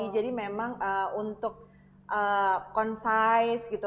jadi memang untuk concise gitu